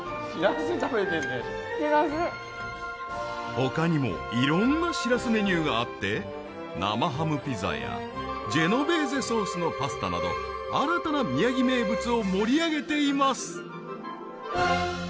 他にもいろんなシラスメニューがあって生ハムピザやジェノベーゼソースのパスタなど新たな宮城名物を盛り上げています！